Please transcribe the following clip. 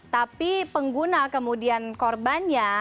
tapi pengguna kemudian korbannya